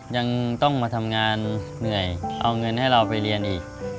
ยังต้องมาทำงานเหนื่อยเอาเงินให้เราไปเรียนอีก